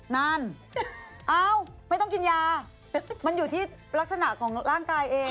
นั่นเอ้าไม่ต้องกินยามันอยู่ที่ลักษณะของร่างกายเอง